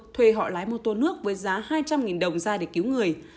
thuê họ lái mô tô nước với giá hai trăm linh đồng ra để cứu người